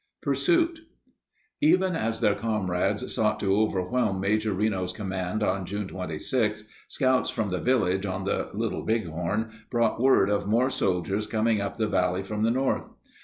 Pursuit Even as their comrades sought to overwhelm Major Reno's command on June 26, scouts from the village on the Little Bighorn brought word of more soldiers coming up the valley from the north.